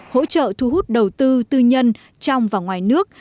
hỗ trợ thu hút đầu tư tư nhân trong và ngoài nước